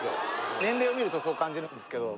年齢を見るとそう感じるんですけど